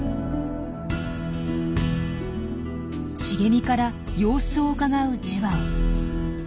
茂みから様子をうかがうジュバオ。